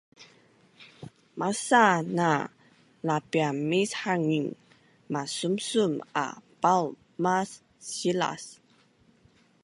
Masa na labianmishangin, masumsum a Paul mas Silas